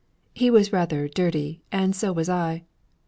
He was rather dirty, and so was I.